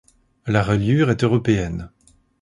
La reliure est européenne.